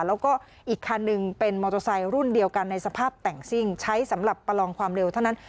แล้วก็อีกคันหนึ่งเป็นมอเตอร์ไซค์รุ่นเดียวกันในสภาพแต่งซิ่งใช้สำหรับประลองความเร็วเท่านั้น